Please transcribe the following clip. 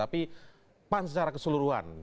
tapi pan secara keseluruhan